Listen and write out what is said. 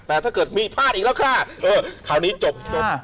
แต่ถ้าเกิดมีพลาดอีกแล้วค่ะเออคราวนี้จบจบ